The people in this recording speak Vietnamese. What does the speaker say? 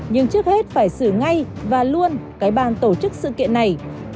nhưng trước hết phải xử ngay và luôn cái bàn tổ chức sự kiện này